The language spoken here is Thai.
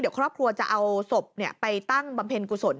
เดี๋ยวครอบครัวจะเอาศพไปตั้งบำเพ็ญกุศล